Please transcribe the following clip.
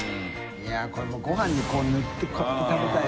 いやぁこれもうご飯に塗ってこうやって食べたい。